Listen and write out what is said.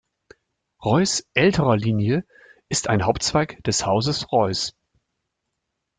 Reuß älterer Linie ist ein Hauptzweig des Hauses Reuß.